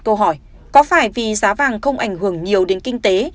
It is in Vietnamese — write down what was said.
câu hỏi có phải vì giá vàng không ảnh hưởng nhiều đến kinh tế